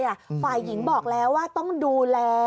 ฝ่ายหญิงบอกแล้วว่าต้องดูแล